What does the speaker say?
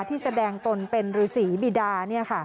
ที่แสดงตนเป็นฤษีบีดา